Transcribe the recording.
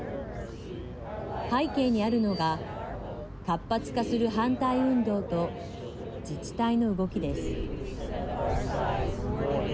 背景にあるのが活発化する反対運動と自治体の動きです。